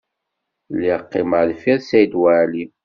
Lliɣ qqimeɣ deffir Saɛid Waɛli.